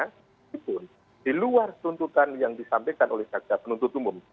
meskipun di luar tuntutan yang disampaikan oleh jaksa penuntut umum